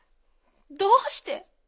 どうして？